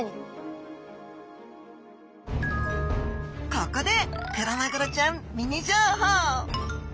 ここでクロマグロちゃんミニ情報！